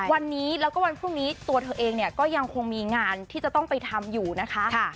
วันนี้แล้วก็วันพรุ่งนี้ตัวเธอเองเนี่ยก็ยังคงมีงานที่จะต้องไปทำอยู่นะคะ